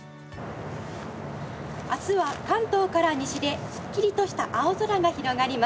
明日は関東から西ですっきりとした青空が広がります。